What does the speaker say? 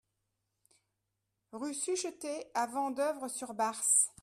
Rue Suchetet à Vendeuvre-sur-Barse